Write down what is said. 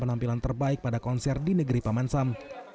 dengan tampilan terbaik pada konser di negeri paman sam